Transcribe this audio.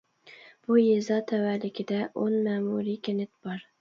بۇ يېزا تەۋەلىكىدە ئون مەمۇرىي كەنت بار.